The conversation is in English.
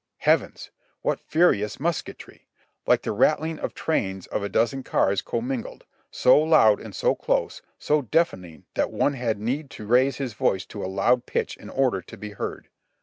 Heavens! What furious musketry! like the rattling of trains of a dozen cars commingled, so loud and close, so deafening that one had need to raise his voice to a loud pitch in order to be heard.